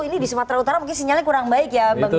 ini di sumatera utara mungkin sinyalnya kurang baik ya